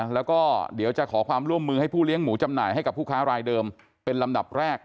แล้วก็เดี๋ยวจะขอความร่วมมือให้ผู้เลี้ยงหมูจำหน่ายให้กับผู้ค้ารายเดิมเป็นลำดับแรก